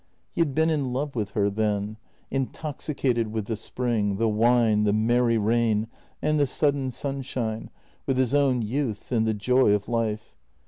He had been in love with her then, intoxicated with the spring, the wine, the merry rain, and the sudden sunshine, with his own youth and the joy of life.